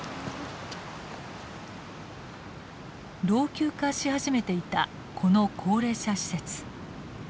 老朽化し始めていたこの高齢者施設。